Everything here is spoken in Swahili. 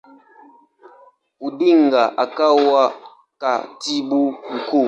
Odinga akawa Katibu Mkuu.